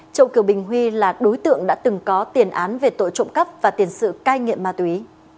châu kiều bình huy là đối tượng đã từng có tiền án về tội trộm cắp và tiền sự cai nghiện ma túy